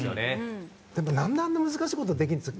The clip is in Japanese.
でも何であんな難しいことできるんですか。